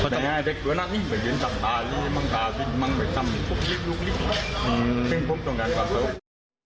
ก็จะมีแบบทำตาลมังตาลมังตำอืมซึ่งผมต้องการการเขา